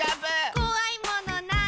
「こわいものなんだ？」